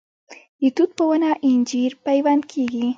د توت په ونه انجیر پیوند کیږي؟